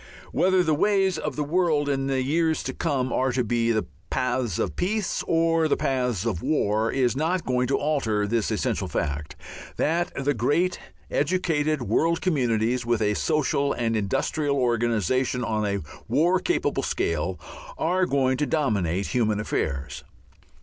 Whether the ways of the world in the years to come are to be the paths of peace or the paths of war is not going to alter this essential fact, that the great educated world communities, with a social and industrial organization on a war capable scale, are going to dominate human affairs.